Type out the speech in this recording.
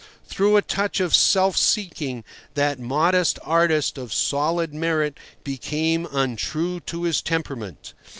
Through a touch of self seeking that modest artist of solid merit became untrue to his temperament.